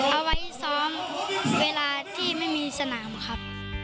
เอาไว้ซ้อมเวลาที่ไม่มีสนามครับ